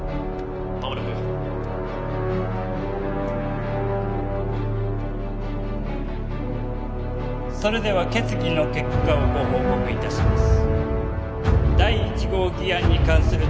間もなくそれでは決議の結果をご報告いたします